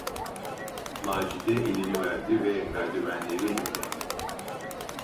Macide elini verdi ve merdivenleri indi.